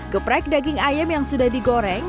geprek daging ayam yang sudah digoreng